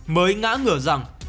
mới ngã ngửa rằng